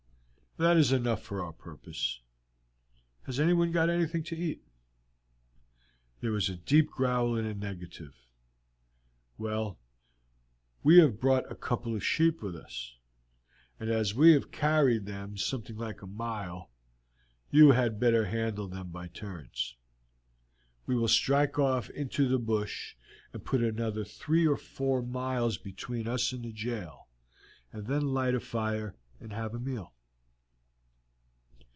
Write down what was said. "That is enough for our purpose. Has anyone got anything to eat?" There was a deep growl in the negative. "Well, we have brought a couple of sheep with us, and as we have carried them something like a mile, you had better handle them by turns. We will strike off into the bush and put another three or four miles between us and the jail, and then light a fire and have a meal."